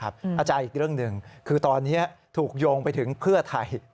อาจารย์อีกเรื่องหนึ่งคือตอนนี้ถูกโยงไปถึงเพื่อไทย